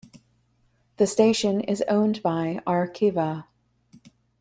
The station is owned by Arqiva.